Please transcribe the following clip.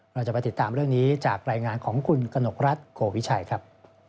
เราจะไปติดตามเรื่องนี้จากรายงานของคุณกนกรัฐโกวิชัยครับ